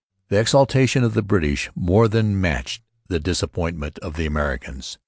The exultation of the British more than matched the disappointment of the Americans.